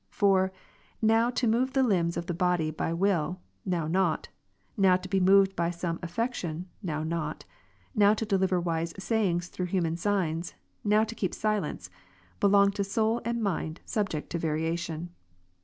For, now to move the limbs of the body by will, now not, now to be moved by some affection, now not, now to deliver wise sayings through human signs, now to keep silence, belong to soul and mind subject to variation.